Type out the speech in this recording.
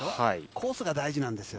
コースが大事なんですよ。